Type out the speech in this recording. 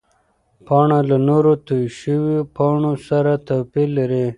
پاڼه له نورو تویو شوو پاڼو سره توپیر لري.